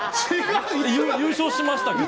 優勝しましたけど。